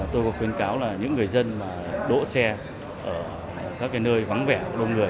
tôi có khuyến cáo là những người dân đỗ xe ở các nơi vắng vẻ lông người